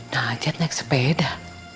najat naik sepeda